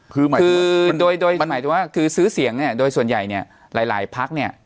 คือโดยหมายถึงว่าคือซื้อเสียงเนี่ยโดยส่วนใหญ่เนี่ยหลายพักเนี่ย